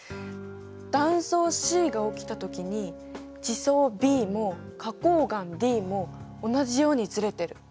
断層Ｃが起きたときに地層Ｂも花こう岩Ｄも同じようにずれてる。